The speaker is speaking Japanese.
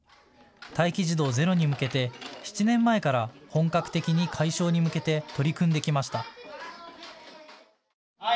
待機児童ゼロに向けて７年前から本格的に解消に向けて取り組んできました。